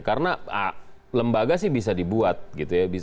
karena lembaga sih bisa dibuat gitu ya